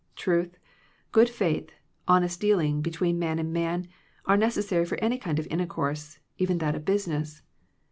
Truth, good faith, honest deal ing between man and man, are necessary for any kind of intercourse, even that of business.